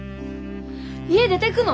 家出てくの！？